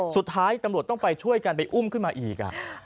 สุดท้ายตำรวจต้องไปช่วยกันไปอุ้มขึ้นมาอีก